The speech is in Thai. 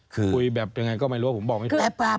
คุยแบบยังไงก็ไม่รู้อ่ะผมบอกไม่ได้